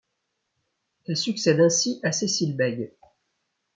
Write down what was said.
Elle succède ainsi à Cécile Bègue.